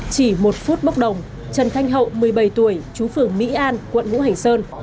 chỉ một phút bốc đồng trần thanh hậu một mươi bảy tuổi chú phường mỹ an quận ngũ hành sơn